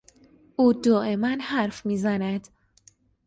او دایما حرف میزند.